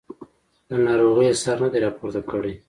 له ناروغۍ یې سر نه دی راپورته کړی.